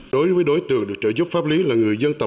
đối với đối tượng được trợ giúp pháp lý là người dân tộc